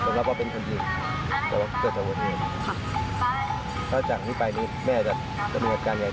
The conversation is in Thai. มันกะจัดติดตรองได้ว่า